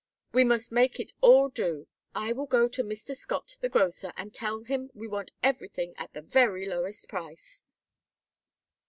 "We must make it all do. I will go to Mr. Scott, the grocer, and tell him we want everything at the very lowest price."